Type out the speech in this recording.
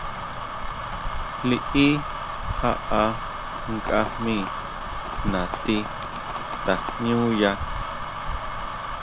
Liʼí jaʼa nkʼa jmí nati tajñúya.